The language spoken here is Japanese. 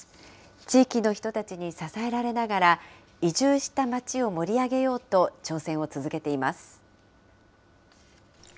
地域の人たちに支えられながら、移住した町を盛り上げようと挑戦を続けています。